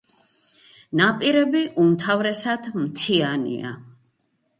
ნაპირები უმთავრესად მთიანია.